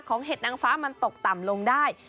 เห็ดนางฟ้ามันตกต่ำลงได้